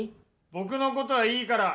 僕の事はいいから。